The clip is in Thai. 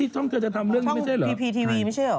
ช่องเธอจะทำเรื่องนี้ไม่ใช่เหรอ